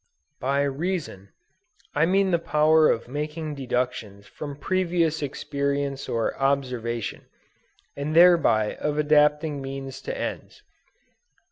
"By reason, I mean the power of making deductions from previous experience or observation, and thereby of adapting means to ends.